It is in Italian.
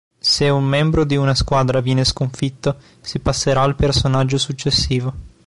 Se un membro di una squadra viene sconfitto, si passerà al personaggio successivo.